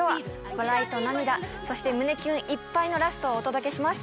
笑いと涙そして胸キュンいっぱいのラストをお届けします